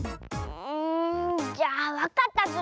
んじゃあわかったズル。